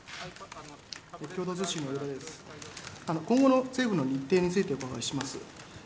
今後の政府の日程についてお願いします。